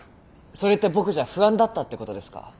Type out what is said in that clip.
それって僕じゃ不安だったって事ですか？